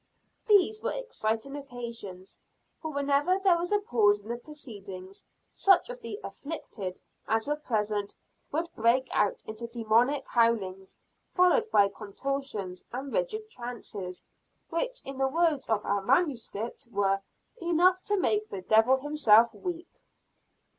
These were exciting occasions, for, whenever there was a pause in the proceedings, such of the "afflicted" as were present would break out into demoniac howlings, followed by contortions and rigid trances, which, in the words of our manuscript, were "enough to make the devil himself weep."